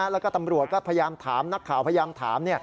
แล้วก็ตำรวจก็พยายามถามนักข่าวพยายามถาม